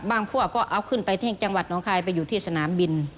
พวกก็เอาขึ้นไปที่จังหวัดน้องคายไปอยู่ที่สนามบิน